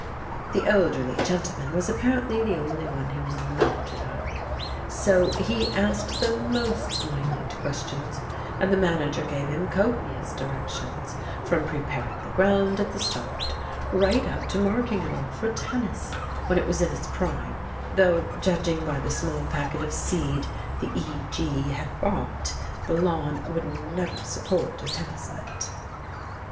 The Elderly Gentleman was apparently the only one who was not in a hurry; so he asked the most minute questions, and the manager gave him copious directions, from preparing the ground at the start, right up to marking it off for tennis, when it was in its prime (though, judging by the small packet of seed the E. G. had bought, the lawn would never support a tennis net).